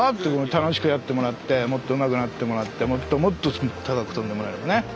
楽しくやってもらってもっとうまくなってもらってもっともっと高く跳んでもらえばね。